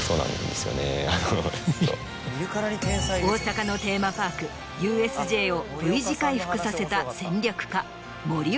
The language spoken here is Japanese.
大阪のテーマパークＵＳＪをＶ字回復させた。